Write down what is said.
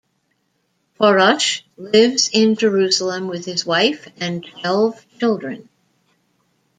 Porush lives in Jerusalem with his wife and twelve children.